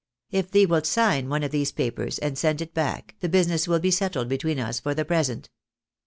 If thee wilt sign one of these papers and send it back, the business will be settled between us for the present.